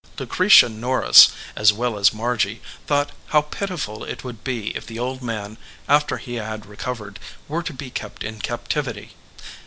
Lucretia Norris, as well as Margy, thought how pitiful it would be if the old man, after he had recovered, were to be kept in captivity.